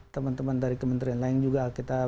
teman teman dari kementerian lain juga kita